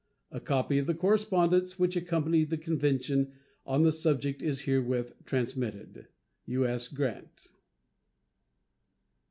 A copy of the correspondence which accompanied the convention on the subject is herewith transmitted. U.S. GRANT.